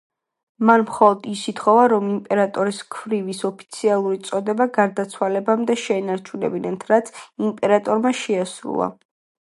მან მხოლოდ ის ითხოვა, რომ იმპერატორის ქვრივის ოფიციალური წოდება გარდაცვალებამდე შეენარჩუნებინათ, რაც იმპერატორმა შეუსრულა.